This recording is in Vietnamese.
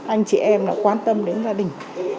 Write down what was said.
anh chị em đã quan tâm đến gia đình